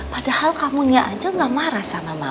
padahal kamunya aja gak marah sama mama